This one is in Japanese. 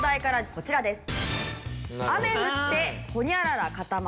こちらです。